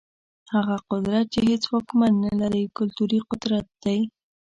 هغه قدرت چي هيڅ واکمن نلري، کلتوري قدرت دی.